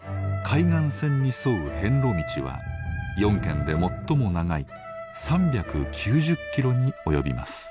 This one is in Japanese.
海岸線に沿う遍路道は４県で最も長い３９０キロに及びます。